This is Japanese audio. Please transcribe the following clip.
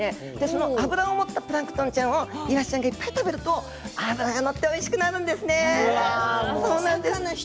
その脂を持ったプランクトンちゃんをいわしが食べると脂が乗っておいしくなるんですね。